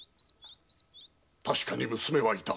確かに娘はいた。